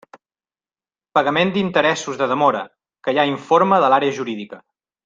Pagament d'interessos de demora: que hi ha informe de l'Àrea Jurídica.